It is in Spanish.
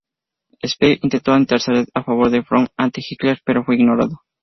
Speer intentó interceder a favor de Fromm ante Hitler, pero fue ignorado.